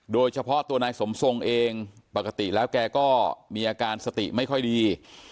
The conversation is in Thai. โดยเฉพาะตัวนายสมทรงเองปกติแล้วแกก็มีอาการสติไม่ค่อยดี